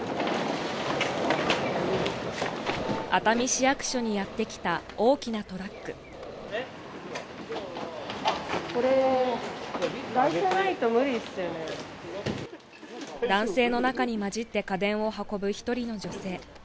熱海市役所にやってきた大きなトラック男性の中に混じって家電を運ぶ一人の女性